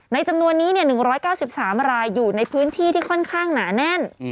จำนวนนี้๑๙๓รายอยู่ในพื้นที่ที่ค่อนข้างหนาแน่น